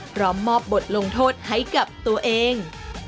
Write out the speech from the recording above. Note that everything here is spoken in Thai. พร้อมมอบบทลงโทษให้กับตัวเอง